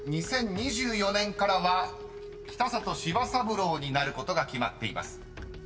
［２０２４年からは北里柴三郎になることが決まっています］